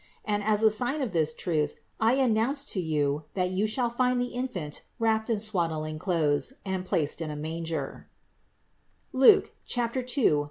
And as a sign of this truth, I announce to you, that you shall find the Infant wrapped in swad dling clothes and placed in a manger" (Luke 2, 10, 12).